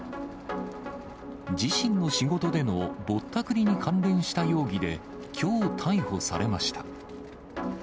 自身の仕事でのぼったくりに関連した容疑で、きょう逮捕されました。